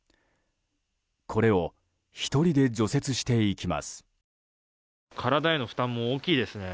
これを１人で除雪していきます。